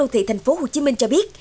sát đô thị thành phố hồ chí minh cho biết